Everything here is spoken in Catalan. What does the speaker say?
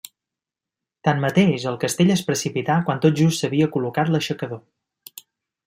Tanmateix el castell es precipità quan tot just s'havia col·locat l'aixecador.